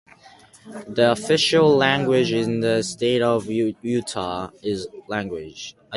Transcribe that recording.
The official language in the state of Utah is English.